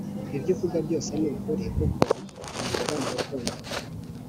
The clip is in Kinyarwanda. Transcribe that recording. ibyo uvuga byose nukuri kuko ubivugana urukundo